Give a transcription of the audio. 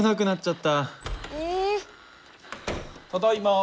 ただいま。